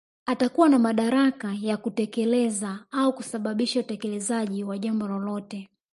Atakuwa na madaraka ya kutekeleza au kusababisha utekelezaji wa jambo lolote